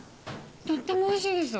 とってもおいしいですわ。